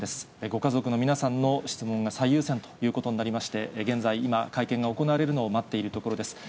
ご家族の皆さんの質問が最優先ということになりまして、現在今、会見が行われるのを待っているところです。